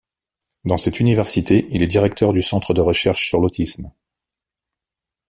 Dans cette université, il est directeur du Centre de recherche sur l'autisme.